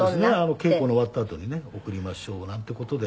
稽古の終わったあとにね送りましょうなんていう事で。